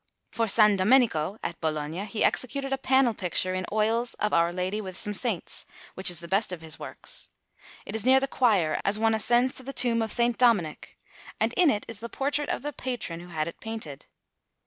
For S. Domenico, at Bologna, he executed a panel picture in oils of Our Lady with some saints, which is the best of his works; it is near the choir, as one ascends to the tomb of S. Dominic, and in it is the portrait of the patron who had it painted.